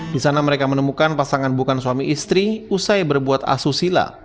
di sana mereka menemukan pasangan bukan suami istri usai berbuat asusila